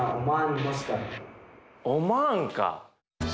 オマーンか。